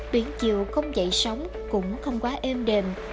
biển chiều không dậy sóng cũng không quá êm đềm